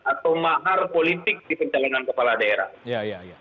atau mahar politik di pencalonan kepala daerah